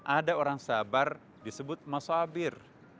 ada orang sabar disebut mas sabir